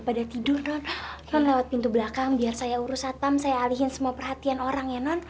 kalau ketahuan aku bisa diusir dari rumah ini